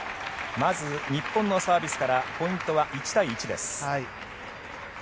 まず日本のサービスからポイントは１対１です。